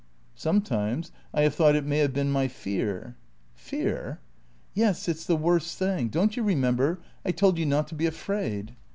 "Sometimes I have thought it may have been my fear." "Fear?" "Yes, it's the worst thing. Don't you remember, I told you not to be afraid?"